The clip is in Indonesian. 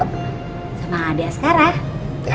sama adia sekarang